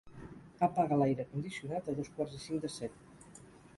Apaga l'aire condicionat a dos quarts i cinc de set.